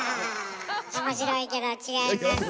面白いけど違います。